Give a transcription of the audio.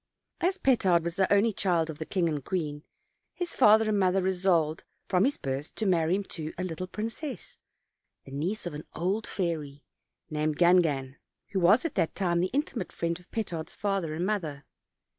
As Petard was the only child of the king and queen, his father and mother resolved from his birth to marry him to a little princess, the niece of an old fairy, named Gangan, who was at that time the intimate friend of Petard's father and mother.